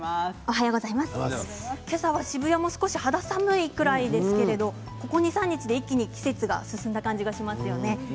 今朝は渋谷も少し肌寒いくらいですけれどここ２、３日季節が進んだ感じがしますよね。